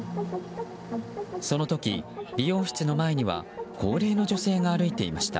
その時、美容室の前には高齢の女性が歩いていました。